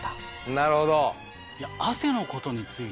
なるほど。